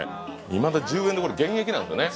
いまだ１０円でこれ現役なんですよね。